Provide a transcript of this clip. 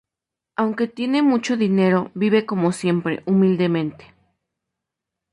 Aunque tiene mucho dinero vive como siempre, humildemente.